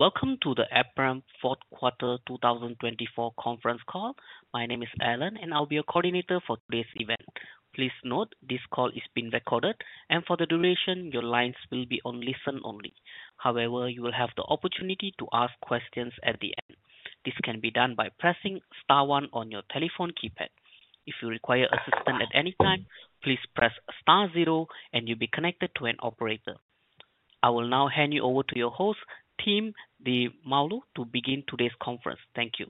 Welcome to the Aperam fourth quarter 2024 conference call. My name is Alan, and I'll be your coordinator for today's event. Please note this call is being recorded, and for the duration, your lines will be on listen only. However, you will have the opportunity to ask questions at the end. This can be done by pressing star one on your telephone keypad. If you require assistance at any time, please press star zero, and you'll be connected to an operator. I will now hand you over to your host, Tim Di Maulo, to begin today's conference. Thank you.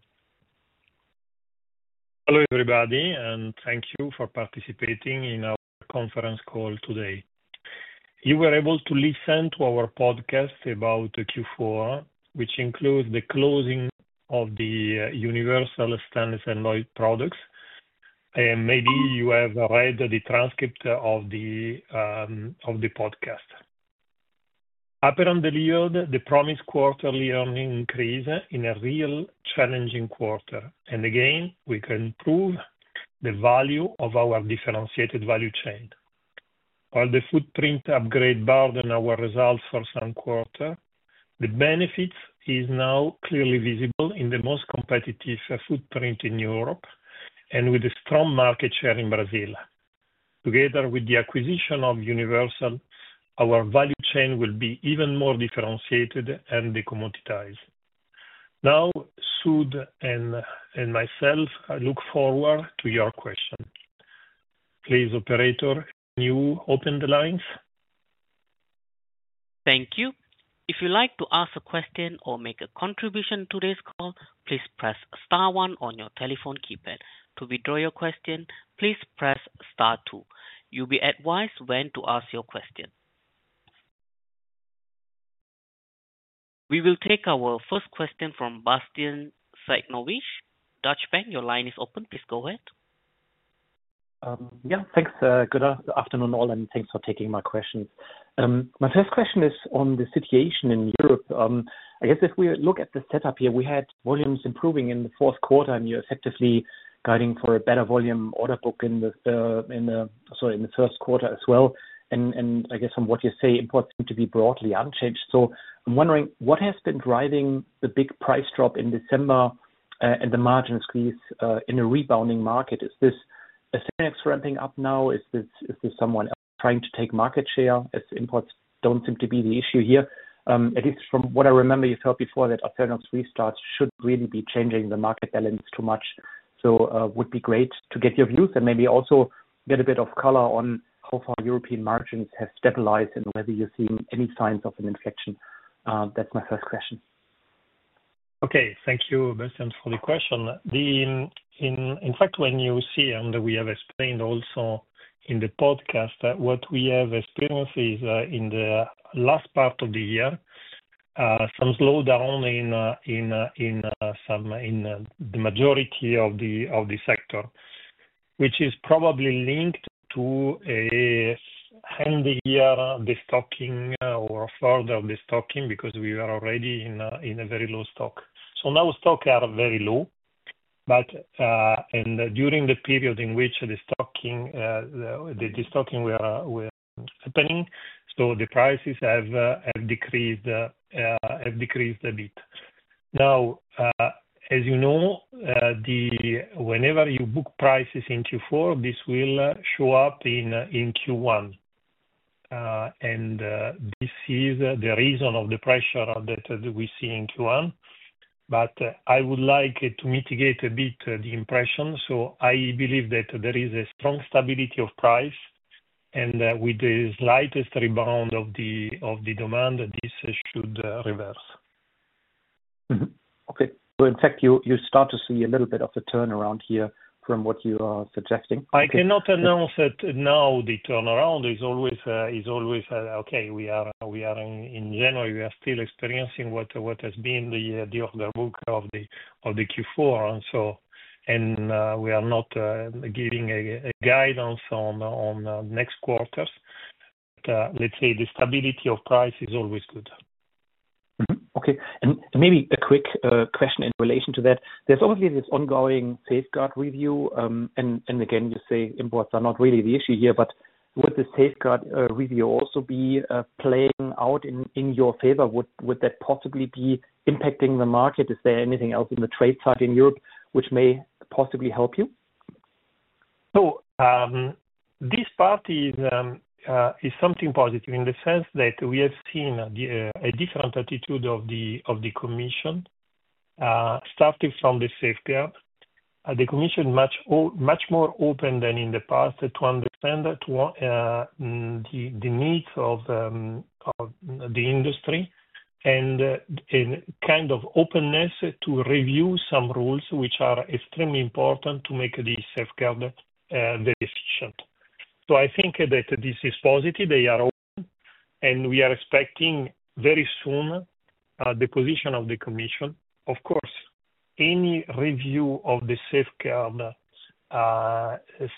Hello everybody, and thank you for participating in our conference call today. You were able to listen to our podcast about Q4, which includes the closing of the Universal Stainless & Alloy Products, and maybe you have read the transcript of the podcast. Aperam delivered the promised quarterly earnings increase in a really challenging quarter, and again, we can prove the value of our differentiated value chain. While the footprint upgrade hurt our results for some quarters, the benefit is now clearly visible in the most competitive footprint in Europe and with a strong market share in Brazil. Together with the acquisition of Universal, our value chain will be even more differentiated and decommoditized. Now, Sud and myself look forward to your question. Please, operator, can you open the lines? Thank you. If you'd like to ask a question or make a contribution to today's call, please press star one on your telephone keypad. To withdraw your question, please press star two. You'll be advised when to ask your question. We will take our first question from Bastian Synagowitz, Deutsche Bank. Your line is open. Please go ahead. Yeah, thanks. Good afternoon all, and thanks for taking my questions. My first question is on the situation in Europe. I guess if we look at the setup here, we had volumes improving in the fourth quarter, and you're effectively guiding for a better volume order book in the first quarter as well, and I guess from what you say, it's important to be broadly unchanged, so I'm wondering, what has been driving the big price drop in December and the margin squeeze in a rebounding market? Is Acerinox ramping up now? Is this someone else trying to take market share? As imports don't seem to be the issue here, at least from what I remember, you felt before that alternative restarts shouldn't really be changing the market balance too much. So it would be great to get your views and maybe also get a bit of color on how far European margins have stabilized and whether you're seeing any signs of an inflection? That's my first question. Okay, thank you, Bastian, for the question. In fact, when you see, and we have explained also in the podcast what we have experienced in the last part of the year, some slowdown in the majority of the sector, which is probably linked to an end-of-year destocking or further destocking because we were already in a very low stock. So now stocks are very low, and during the period in which the destocking was happening, so the prices have decreased a bit. Now, as you know, whenever you book prices in Q4, this will show up in Q1. And this is the reason of the pressure that we see in Q1. But I would like to mitigate a bit the impression. So I believe that there is a strong stability of price, and with the slightest rebound of the demand, this should reverse. Okay, so in fact, you start to see a little bit of a turnaround here from what you are suggesting. I cannot announce that now. The turnaround is always okay. In January, we are still experiencing what has been the order book of the Q4. And we are not giving a guidance on next quarters. But let's say the stability of price is always good. Okay. And maybe a quick question in relation to that. There's obviously this ongoing safeguard review. And again, you say imports are not really the issue here, but would the safeguard review also be playing out in your favor? Would that possibly be impacting the market? Is there anything else in the trade side in Europe which may possibly help you? This part is something positive in the sense that we have seen a different attitude of the Commission starting from the safeguard. The Commission is much more open than in the past to understand the needs of the industry and kind of openness to review some rules which are extremely important to make the safeguard very efficient. I think that this is positive. They are open, and we are expecting very soon the position of the Commission. Of course, any review of the safeguard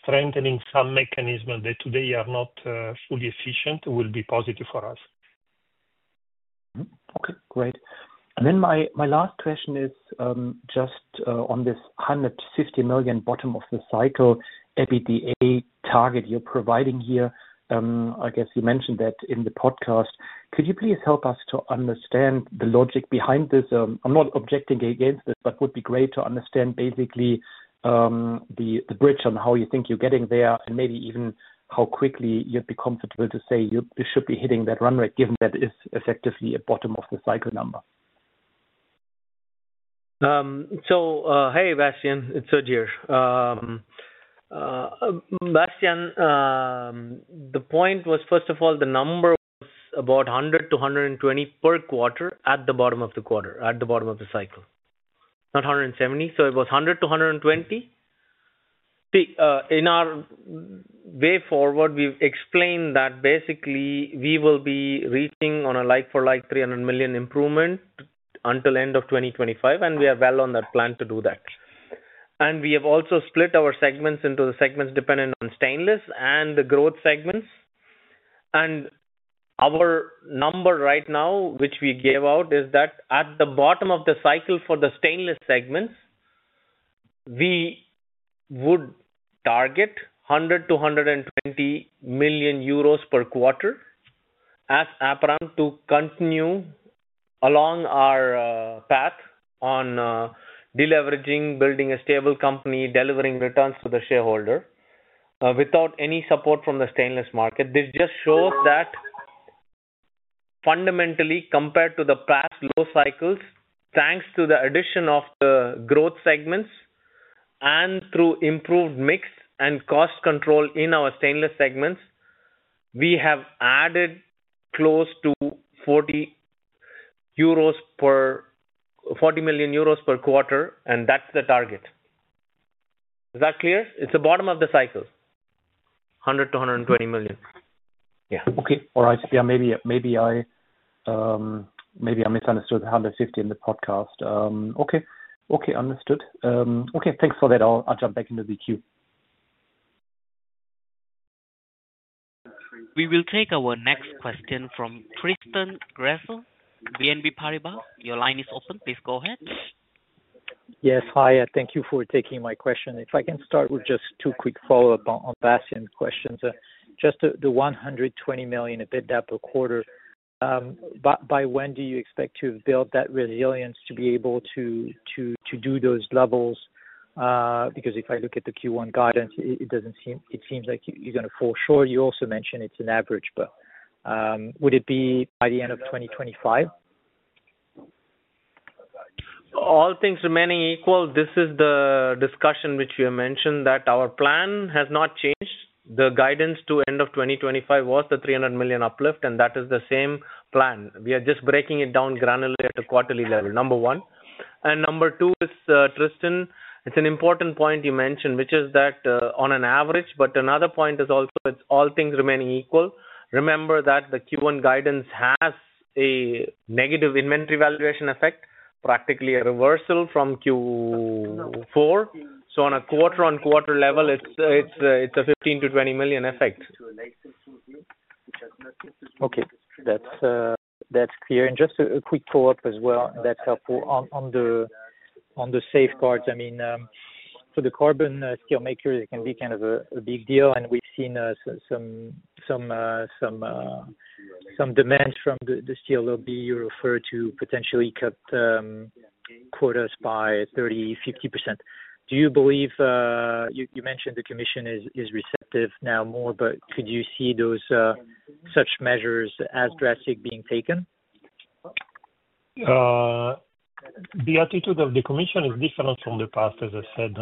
strengthening some mechanism that today are not fully efficient will be positive for us. Okay, great. And then my last question is just on this 150 million bottom of the cycle EBITDA target you're providing here. I guess you mentioned that in the podcast. Could you please help us to understand the logic behind this? I'm not objecting against this, but it would be great to understand basically the bridge on how you think you're getting there and maybe even how quickly you'd be comfortable to say you should be hitting that run rate given that it's effectively a bottom of the cycle number. So hey, Bastian, it's Sud here. Bastian, the point was, first of all, the number was about 100 million-120 million per quarter at the bottom of the quarter, at the bottom of the cycle. Not 170 million. So it was 100 million-120 million. In our way forward, we've explained that basically we will be reaching on a like-for-like 300 million improvement until end of 2025, and we are well on that plan to do that. And we have also split our segments into the segments dependent on Stainless and the Growth segments. And our number right now, which we gave out, is that at the bottom of the cycle for the stainless segments, we would target 100 million-120 million euros per quarter as Aperam to continue along our path on deleveraging, building a stable company, delivering returns to the shareholder without any support from the stainless market. This just shows that fundamentally, compared to the past low cycles, thanks to the addition of the Growth segments and through improved mix and cost control in our stainless segments, we have added close to 40 million euros per quarter, and that's the target. Is that clear? It's the bottom of the cycle, 100 million-120 million. Okay. All right. Yeah, maybe I misunderstood 150 million in the podcast. Okay. Okay, understood. Okay, thanks for that. I'll jump back into the queue. We will take our next question from Tristan Gresser, BNP Paribas. Your line is open. Please go ahead. Yes, hi. Thank you for taking my question. If I can start with just two quick follow-up on Bastian's questions. Just the 120 million EBITDA per quarter, by when do you expect to build that resilience to be able to do those levels? Because if I look at the Q1 guidance, it seems like you're going to fall short. You also mentioned it's an average, but would it be by the end of 2025? All things remaining equal, this is the discussion which you mentioned that our plan has not changed. The guidance to end of 2025 was the 300 million uplift, and that is the same plan. We are just breaking it down granularly at a quarterly level, number one. Number two, Tristan, it's an important point you mentioned, which is that on an average, but another point is also all things remaining equal. Remember that the Q1 guidance has a negative inventory valuation effect, practically a reversal from Q4. So on a quarter-on-quarter level, it's a 15 million-20 million effect. Okay, that's clear. And just a quick follow-up as well, that's helpful on the safeguards. I mean, for the carbon steelmakers, it can be kind of a big deal, and we've seen some demand from the steel lobby you referred to potentially cut quotas by 30%-50%. Do you believe you mentioned the Commission is receptive now more, but could you see such measures as drastic being taken? The attitude of the Commission is different from the past, as I said.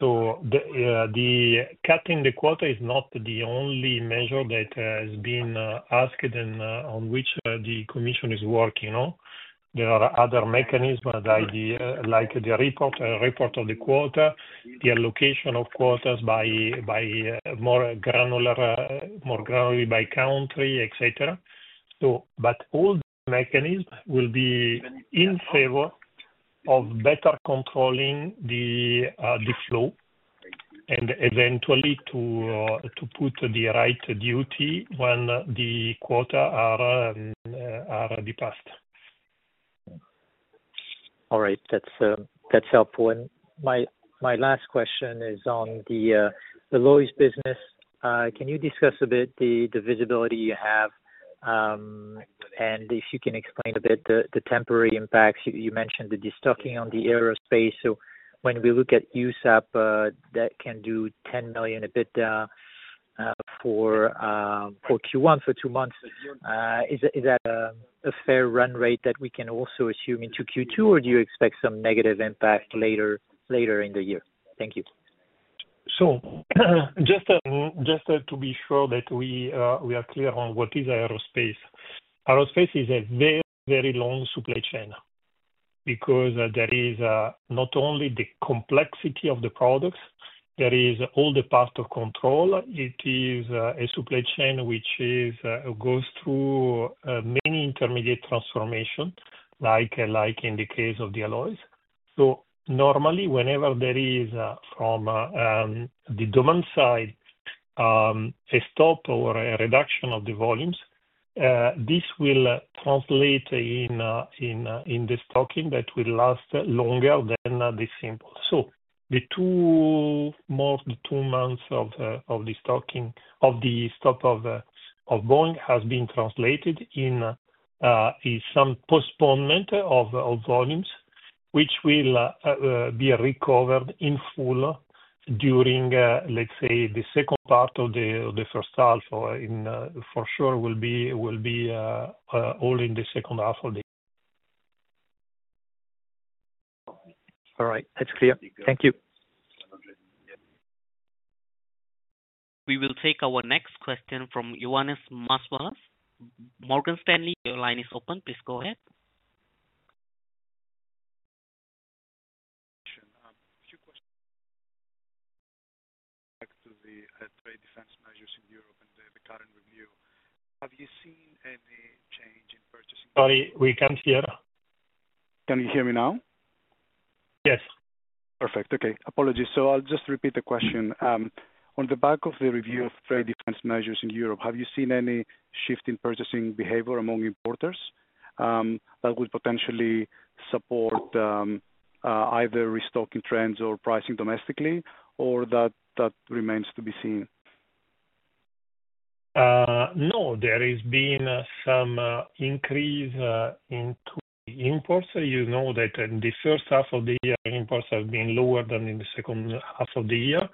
So the cutting of the quota is not the only measure that has been asked on which the Commission is working. There are other mechanisms like the reporting of the quota, the allocation of quotas more granularly by country, etc. But all the mechanisms will be in favor of better controlling the flow and eventually to put the right duty when the quotas are surpassed. All right. That's helpful. And my last question is on the Alloys business. Can you discuss a bit the visibility you have and if you can explain a bit the temporary impacts? You mentioned the destocking in the aerospace. So when we look at USAP, that can do $10 million EBITDA in Q1 for two months. Is that a fair run rate that we can also assume into Q2, or do you expect some negative impact later in the year? Thank you. Just to be sure that we are clear on what is aerospace. Aerospace is a very, very long supply chain because there is not only the complexity of the products, there is all the part of control. It is a supply chain which goes through many intermediate transformations, like in the case of the Alloys. So normally, whenever there is from the demand side, a stop or a reduction of the volumes, this will translate in the destocking that will last longer than the simple. So the two months of the destocking of the stop of a Boeing has been translated in some postponement of volumes, which will be recovered in full during, let's say, the second part of the first half. For sure, it will be all in the second half of the year. All right. That's clear. Thank you. We will take our next question from Ioannis Masvoulas, Morgan Stanley. Your line is open. Please go ahead. Back to the trade defense measures in Europe and the current review. Have you seen any change in purchasing? Sorry, we can't hear. Can you hear me now? Yes. Perfect. Okay. Apologies. So I'll just repeat the question. On the back of the review of trade defense measures in Europe, have you seen any shift in purchasing behavior among importers that would potentially support either restocking trends or pricing domestically, or that remains to be seen? No, there has been some increase in imports. You know that in the first half of the year, imports have been lower than in the second half of the year.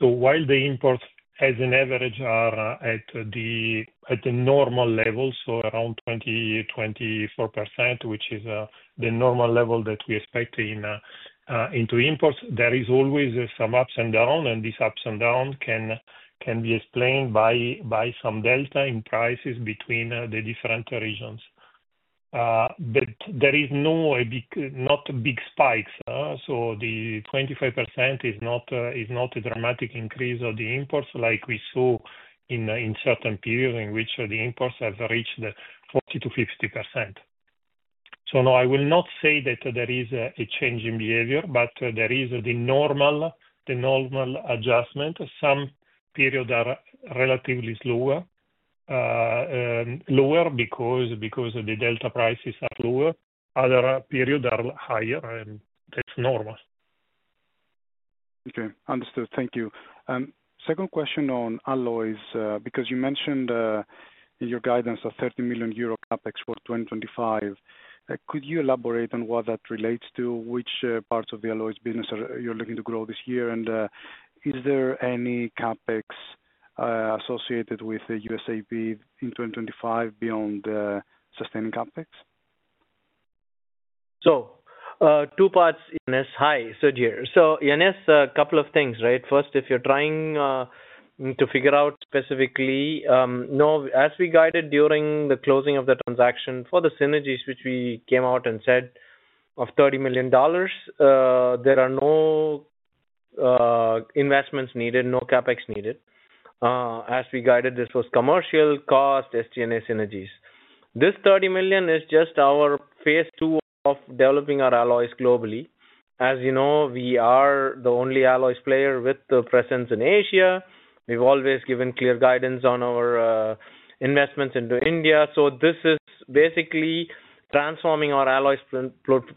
So while the imports, as an average, are at the normal level, so around 20%-24%, which is the normal level that we expect into imports, there is always some ups and downs, and these ups and downs can be explained by some delta in prices between the different regions. But there is not big spikes. So the 25% is not a dramatic increase of the imports like we saw in certain periods in which the imports have reached 40%-50%. So no, I will not say that there is a change in behavior, but there is the normal adjustment. Some periods are relatively lower because the delta prices are lower. Other periods are higher, and that's normal. Okay. Understood. Thank you. Second question on Alloys, because you mentioned in your guidance a 30 million euro CapEx for 2025. Could you elaborate on what that relates to? Which parts of the Alloys business are you looking to grow this year? And is there any CapEx associated with the USAP in 2025 beyond sustaining CapEx? Two parts. Ioannis. Hi, Sud here. So Ioannis, a couple of things, right? First, if you're trying to figure out specifically, no, as we guided during the closing of the transaction for the synergies which we came out and said of $30 million, there are no investments needed, no CapEx needed. As we guided, this was commercial, cost, SG&A synergies. This $30 million is just our phase two of developing our Alloys globally. As you know, we are the only Alloys player with the presence in Asia. We've always given clear guidance on our investments into India. So this is basically transforming our Alloys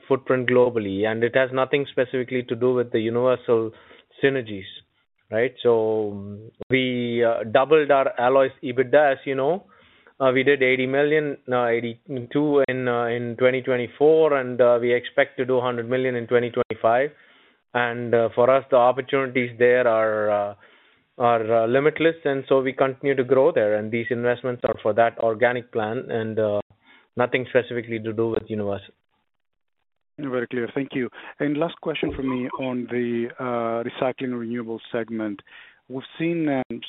footprint globally, and it has nothing specifically to do with the Universal synergies, right? So we doubled our Alloys EBITDA, as you know. We did 80 million, now 82 million in 2024, and we expect to do 100 million in 2025. For us, the opportunities there are limitless, and so we continue to grow there. These investments are for that organic plan and nothing specifically to do with Universal. Very clear. Thank you. Last question for me on the Recycling & Renewables segment. We've seen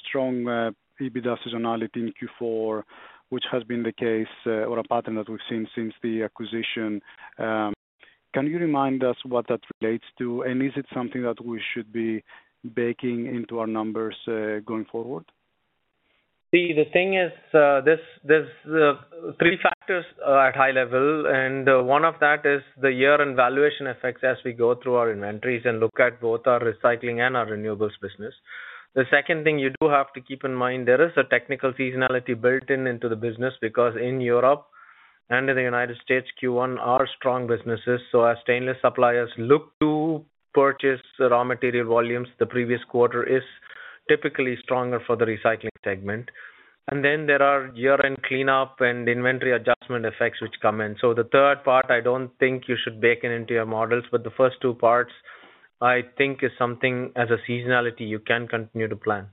strong EBITDA seasonality in Q4, which has been the case or a pattern that we've seen since the acquisition. Can you remind us what that relates to? Is it something that we should be baking into our numbers going forward? See, the thing is there's three factors at high level, and one of that is the year-end valuation effects as we go through our inventories and look at both our recycling and our renewables business. The second thing you do have to keep in mind, there is a technical seasonality built into the business because in Europe and in the United States, Q1 are strong businesses. So as stainless suppliers look to purchase raw material volumes, the previous quarter is typically stronger for the recycling segment. And then there are year-end cleanup and inventory adjustment effects which come in. So the third part, I don't think you should bake it into your models, but the first two parts, I think, is something as a seasonality you can continue to plan.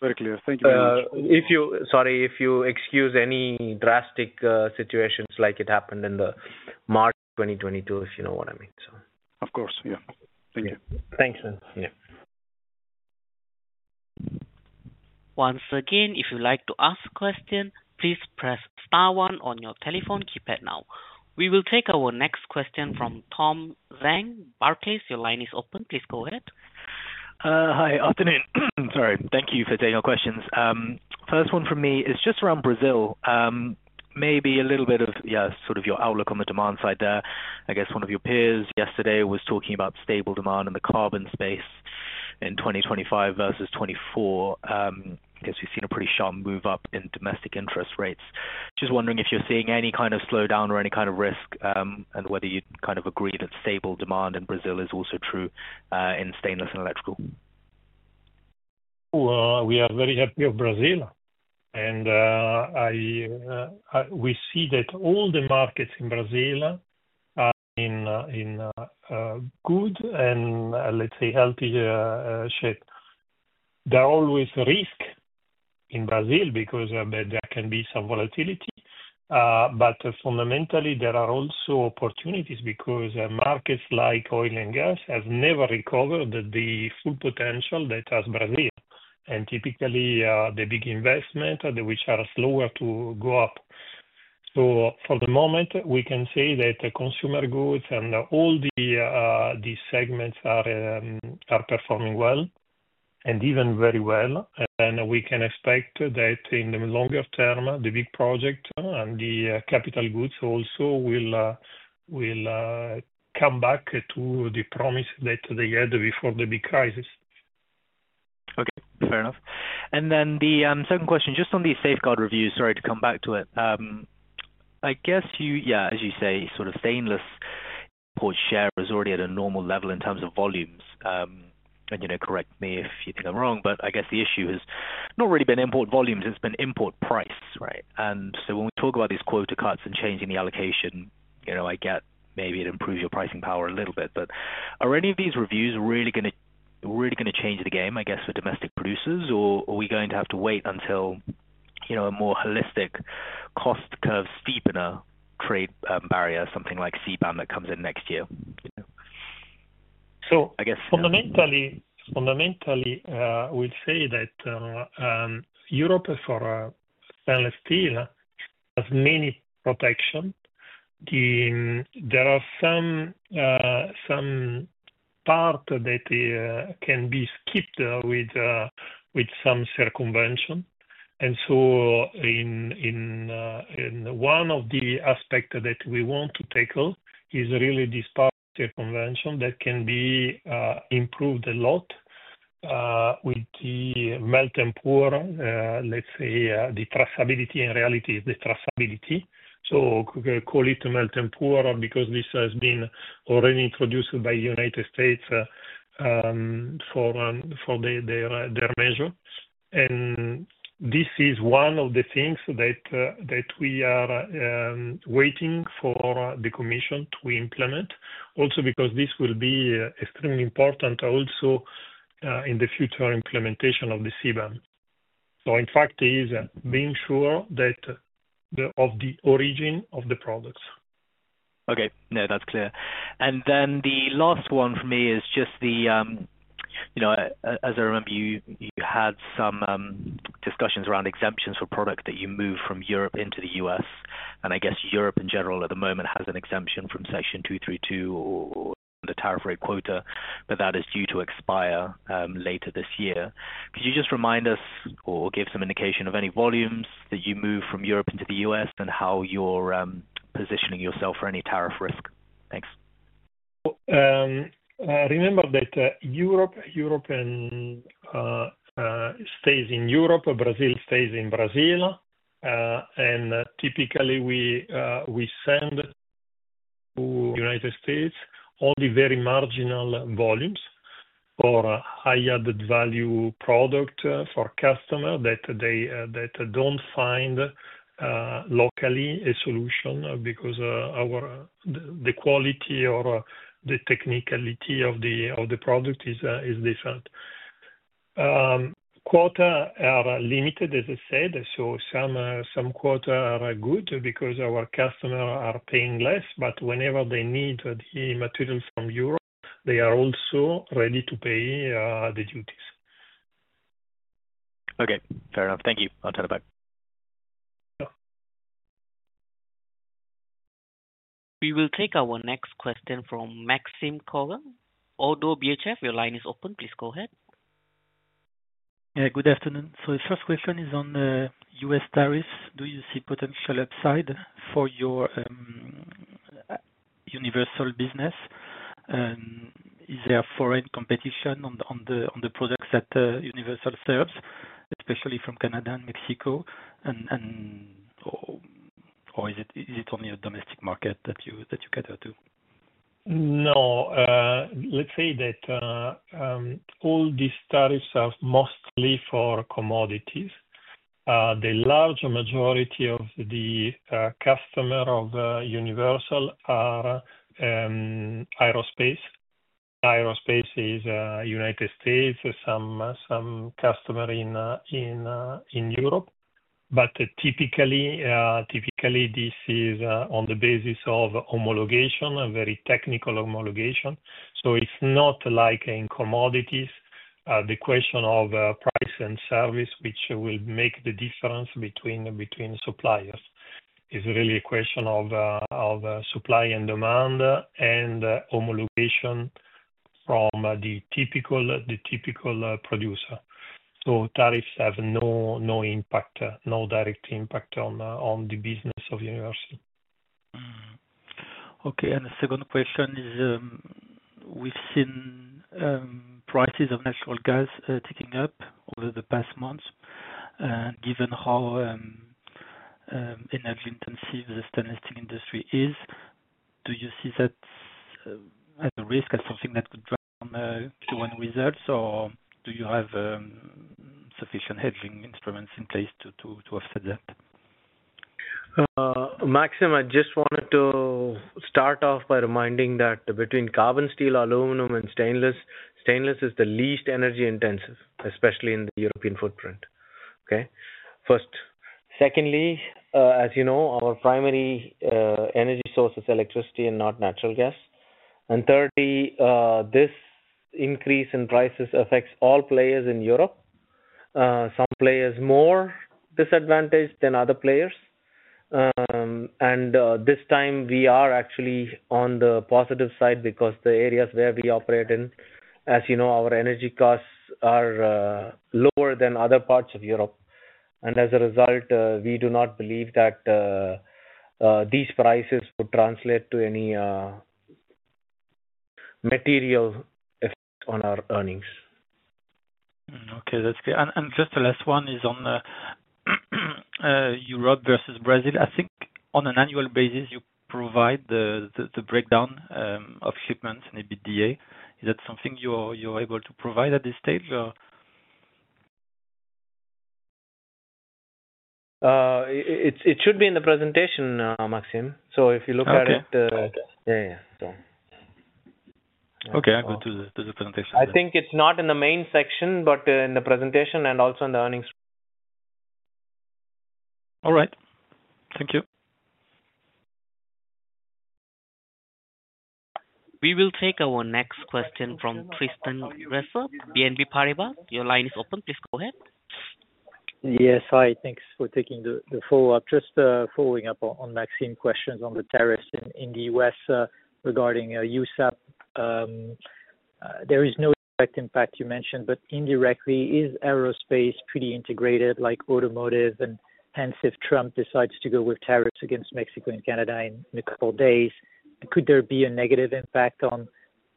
Very clear. Thank you very much. Sorry, if you exclude any drastic situations like it happened in March 2022, if you know what I mean, so. Of course. Yeah. Thank you. Thanks, man. Once again, if you'd like to ask a question, please press star one on your telephone keypad now. We will take our next question from Tom Zhang, Barclays. Your line is open. Please go ahead. Hi. Afternoon. Sorry. Thank you for taking our questions. First one from me is just around Brazil. Maybe a little bit of, yeah, sort of your outlook on the demand side there. I guess one of your peers yesterday was talking about stable demand in the carbon space in 2025 versus 2024. I guess we've seen a pretty sharp move up in domestic interest rates. Just wondering if you're seeing any kind of slowdown or any kind of risk and whether you'd kind of agree that stable demand in Brazil is also true in stainless and electrical. We are very happy about Brazil. We see that all the markets in Brazil are in good and, let's say, healthy shape. There are always risks in Brazil because there can be some volatility. But fundamentally, there are also opportunities because markets like oil and gas have never recovered the full potential that Brazil has. Typically, the big investments which are slower to go up. For the moment, we can say that consumer goods and all the segments are performing well and even very well. We can expect that in the longer term, the big projects and the capital goods also will come back to the promise that they had before the big crisis. Okay. Fair enough. And then the second question, just on the safeguard review, sorry to come back to it. I guess, yeah, as you say, sort of stainless import share is already at a normal level in terms of volumes. And you know, correct me if you think I'm wrong, but I guess the issue has not really been import volumes. It's been import price, right? And so when we talk about these quota cuts and changing the allocation, I get maybe it improves your pricing power a little bit, but are any of these reviews really going to change the game, I guess, for domestic producers, or are we going to have to wait until a more holistic cost curve steepener trade barrier, something like CBAM that comes in next year? So fundamentally, we'll say that Europe for stainless steel has many protections. There are some parts that can be skipped with some circumvention. And so one of the aspects that we want to tackle is really this part of circumvention that can be improved a lot with the "melt and pour," let's say, the traceability and reality is the traceability. So call it "melt and pour" because this has been already introduced by the United States for their measure. And this is one of the things that we are waiting for the Commission to implement, also because this will be extremely important also in the future implementation of the CBAM. So in fact, it is being sure of the origin of the products. Okay. No, that's clear. And then the last one for me is just the, as I remember, you had some discussions around exemptions for products that you move from Europe into the U.S. and I guess Europe in general at the moment has an exemption from Section 232 or the tariff rate quota, but that is due to expire later this year. Could you just remind us or give some indication of any volumes that you move from Europe into the U.S. and how you're positioning yourself for any tariff risk? Thanks. Remember that Europe stays in Europe, Brazil stays in Brazil. And typically, we send to the United States only very marginal volumes for high added value product for customers that don't find locally a solution because the quality or the technicality of the product is different. Quotas are limited, as I said. So some quotas are good because our customers are paying less, but whenever they need the material from Europe, they are also ready to pay the duties. Okay. Fair enough. Thank you. I'll turn it back. We will take our next question from Maxime Kogge. ODDO BHF, your line is open. Please go ahead. Yeah. Good afternoon. So the first question is on the U.S. tariffs. Do you see potential upside for your Universal business? Is there foreign competition on the products that Universal serves, especially from Canada and Mexico? Or is it only a domestic market that you cater to? No. Let's say that all these tariffs are mostly for commodities. The large majority of the customers of Universal are aerospace. Aerospace is United States, some customers in Europe. But typically, this is on the basis of homologation, very technical homologation. So it's not like in commodities. The question of price and service, which will make the difference between suppliers, is really a question of supply and demand and homologation from the typical producer. So tariffs have no impact, no direct impact on the business of Universal. Okay, and the second question is, we've seen prices of natural gas ticking up over the past months. And given how energy-intensive the stainless steel industry is, do you see that as a risk, as something that could drive down Q1 results, or do you have sufficient hedging instruments in place to offset that? Maxime, I just wanted to start off by reminding that between carbon steel, aluminum, and stainless, stainless is the least energy-intensive, especially in the European footprint. Okay? First, secondly, as you know, our primary energy source is electricity and not natural gas. And thirdly, this increase in prices affects all players in Europe. Some players are more disadvantaged than other players. And this time, we are actually on the positive side because the areas where we operate in, as you know, our energy costs are lower than other parts of Europe. And as a result, we do not believe that these prices would translate to any material effect on our earnings. Okay. That's good. And just the last one is on Europe versus Brazil. I think on an annual basis, you provide the breakdown of shipments in EBITDA. Is that something you're able to provide at this stage, or? It should be in the presentation, Maxime, so if you look at it. Okay. Yeah, yeah, so. Okay. I'll go to the presentation. I think it's not in the main section, but in the presentation and also in the earnings. All right. Thank you. We will take our next question from Tristan Gresser, BNP Paribas. Your line is open. Please go ahead. Yes. Hi. Thanks for taking the follow-up. Just following up on Maxime's questions on the tariffs in the U.S. regarding USAP. There is no direct impact, you mentioned, but indirectly, is aerospace pretty integrated like automotive? And hence, if Trump decides to go with tariffs against Mexico and Canada in a couple of days, could there be a negative impact on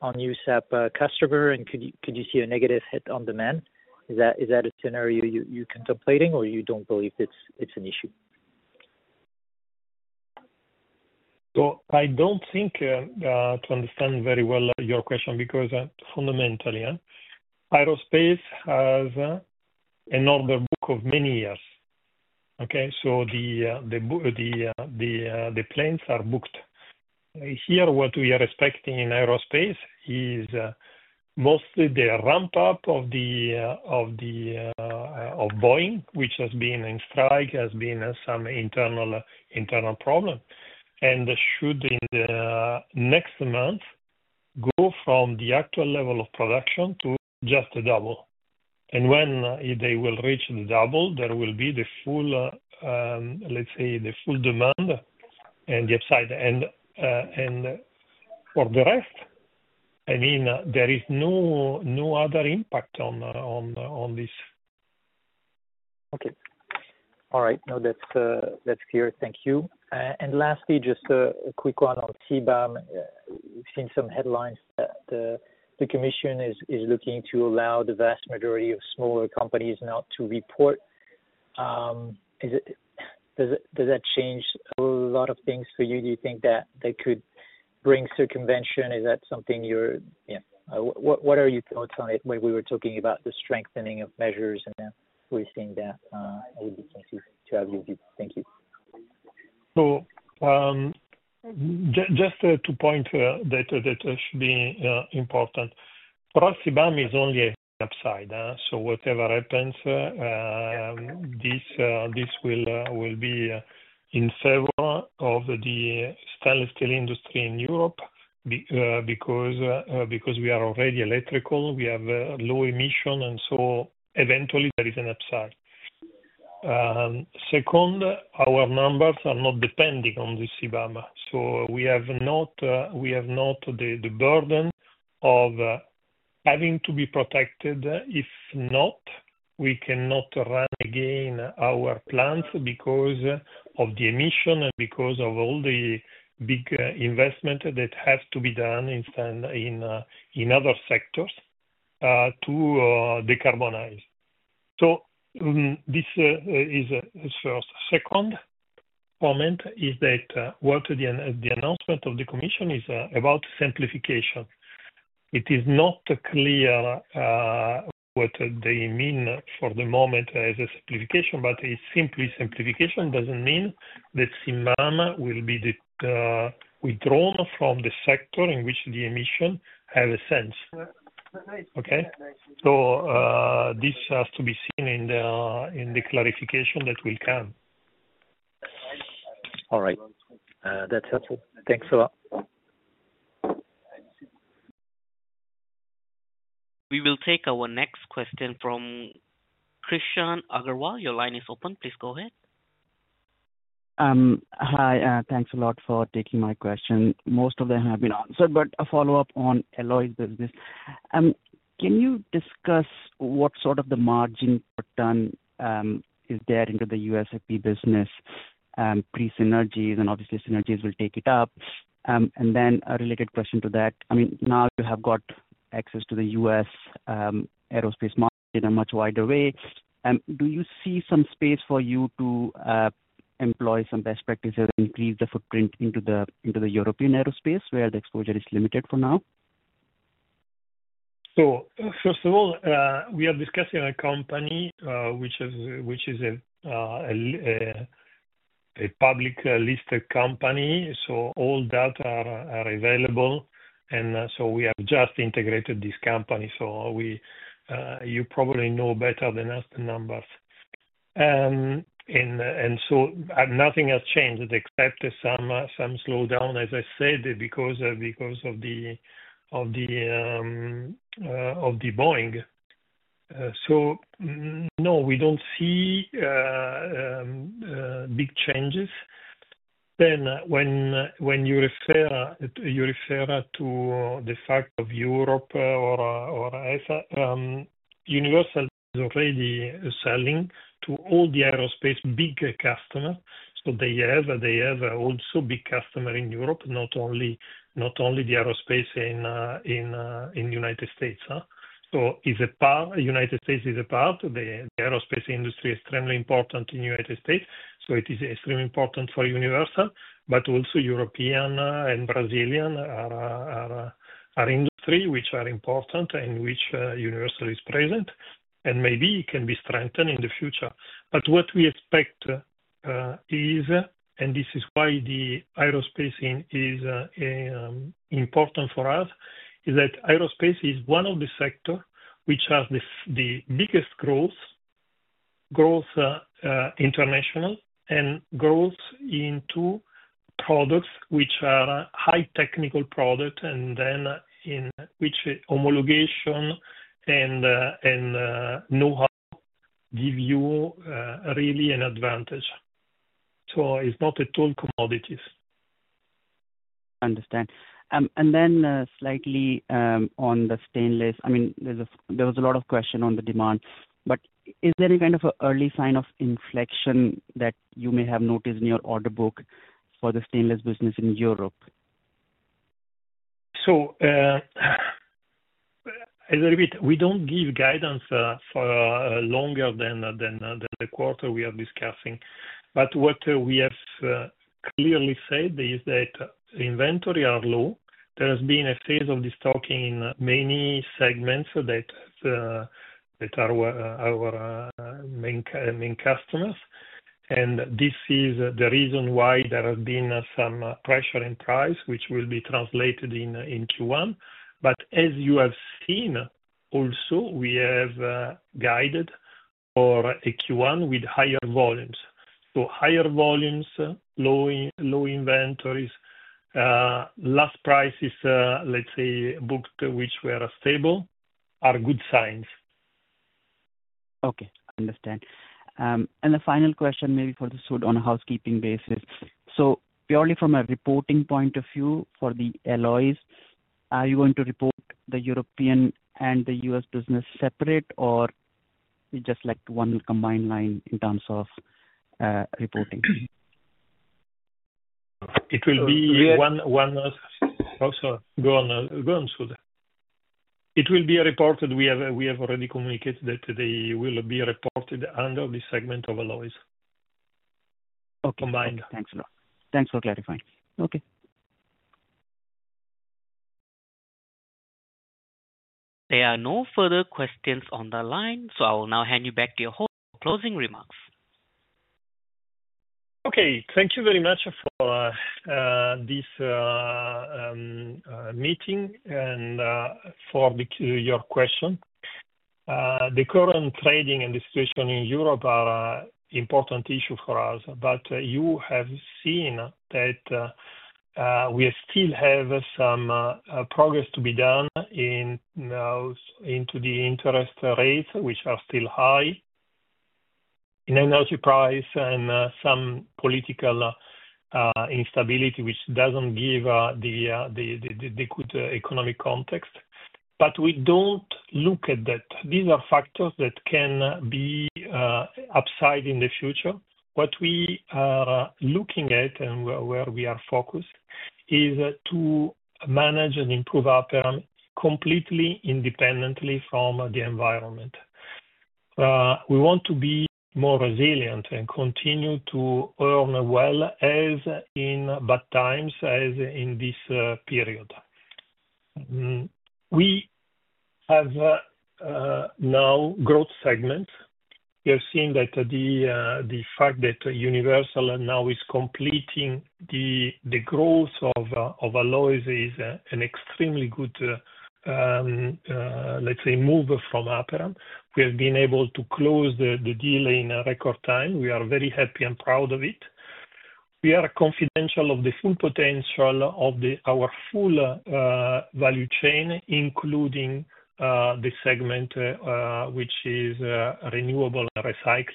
USAP customers, and could you see a negative hit on demand? Is that a scenario you're contemplating, or you don't believe it's an issue? I don't think to understand very well your question because fundamentally, aerospace has an order book of many years. Okay? The planes are booked. Here, what we are expecting in aerospace is mostly the ramp-up of Boeing, which has been in strike, has been some internal problem, and should in the next month go from the actual level of production to just a double. When they will reach the double, there will be the full, let's say, the full demand and the upside. For the rest, I mean, there is no other impact on this. Okay. All right. No, that's clear. Thank you. And lastly, just a quick one on CBAM. We've seen some headlines that the Commission is looking to allow the vast majority of smaller companies not to report. Does that change a lot of things for you? Do you think that they could bring circumvention? Is that something you're - yeah. What are your thoughts on it when we were talking about the strengthening of measures and how we're seeing that? I would be keen to have your view. Thank you. So, just to point that should be important. For us, CBAM is only an upside. So, whatever happens, this will be in favor of the stainless steel industry in Europe because we are already electrical. We have low emission, and so eventually, there is an upside. Second, our numbers are not depending on the CBAM. So, we have not the burden of having to be protected if not, we cannot run again our plants because of the emission and because of all the big investment that has to be done in other sectors to decarbonize. So, this is first. Second comment is that what the announcement of the Commission is about simplification. It is not clear what they mean for the moment as a simplification, but it's simply simplification doesn't mean that CBAM will be withdrawn from the sector in which the emission has a sense. Okay? So this has to be seen in the clarification that will come. All right. That's helpful. Thanks a lot. We will take our next question from Krishan Agarwal. Your line is open. Please go ahead. Hi. Thanks a lot for taking my question. Most of them have been answered, but a follow-up on Alloys' business. Can you discuss what sort of the margin return is there in the USAP business pre-synergies? And obviously, synergies will take it up. And then a related question to that. I mean, now you have got access to the U.S. aerospace market in a much wider way. Do you see some space for you to employ some best practices and increase the footprint into the European aerospace where the exposure is limited for now? First of all, we are discussing a company which is a publicly listed company. All data are available. We have just integrated this company. You probably know better than us the numbers. Nothing has changed except some slowdown, as I said, because of Boeing. No, we don't see big changes. Then when you refer to the fact of Europe or U.S., Universal is already selling to all the big aerospace customers. They have also big customers in Europe, not only in the aerospace in the United States. The United States is a part. The aerospace industry is extremely important in the United States. It is extremely important for Universal, but also European and Brazilian aerospace industry which are important and which Universal is present. Maybe it can be strengthened in the future. But what we expect is, and this is why the aerospace is important for us, is that aerospace is one of the sectors which has the biggest growth, growth international, and growth into products which are high technical products and then in which homologation and know-how give you really an advantage. So it's not at all commodities. I understand. And then slightly on the stainless, I mean, there was a lot of question on the demand, but is there any kind of early sign of inflection that you may have noticed in your order book for the stainless business in Europe? So a little bit, we don't give guidance for longer than the quarter we are discussing. But what we have clearly said is that inventory are low. There has been a phase of destocking in many segments that are our main customers. And this is the reason why there has been some pressure in price, which will be translated in Q1. But as you have seen, also, we have guided for a Q1 with higher volumes. So higher volumes, low inventories, less prices, let's say, booked, which were stable, are good signs. Okay. I understand. And the final question maybe for Sud on a housekeeping basis. So purely from a reporting point of view for the Alloys, are you going to report the European and the U.S. business separately, or it's just like one combined line in terms of reporting? It will be one also. Go on, Sud. It will be reported. We have already communicated that they will be reported under the segment of Alloys combined. Okay. Thanks a lot. Thanks for clarifying. Okay. There are no further questions on the line. So I will now hand you back to your host for closing remarks. Okay. Thank you very much for this meeting and for your question. The current trading and the situation in Europe are an important issue for us. But you have seen that we still have some progress to be done into the interest rates, which are still high in energy price and some political instability, which doesn't give the good economic context. But we don't look at that. These are factors that can be upside in the future. What we are looking at and where we are focused is to manage and improve our parameters completely independently from the environment. We want to be more resilient and continue to earn well as in bad times as in this period. We have now Growth segments. We have seen that the fact that Universal now is completing the growth of Alloys is an extremely good, let's say, move from Aperam. We have been able to close the deal in record time. We are very happy and proud of it. We are confident of the full potential of our full value chain, including the segment which is renewable and recycling,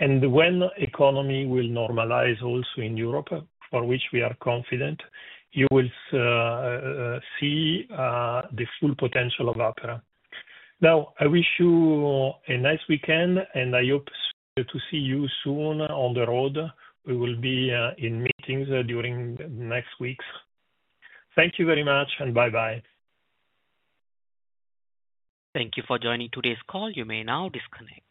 and when the economy will normalize also in Europe, for which we are confident, you will see the full potential of Aperam. Now, I wish you a nice weekend, and I hope to see you soon on the road. We will be in meetings during the next weeks. Thank you very much, and bye-bye. Thank you for joining today's call. You may now disconnect.